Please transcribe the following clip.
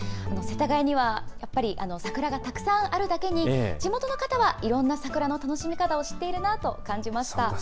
世田谷にはやっぱり桜がたくさんあるだけに、地元の方はいろんな桜の楽しみ方を知っているなと感じました。